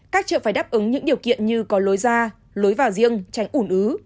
các chợ phải đáp ứng những điều kiện như có lối ra lối vào riêng tránh ủn ứ